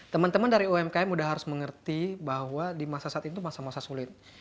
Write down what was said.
teman teman dari umkm udah harus mengerti bahwa di masa saat itu masa masa sulit